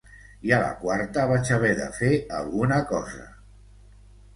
I a la quarta vaig haver de fer alguna cosa.